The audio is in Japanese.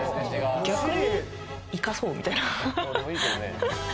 逆に生かそう！みたいな。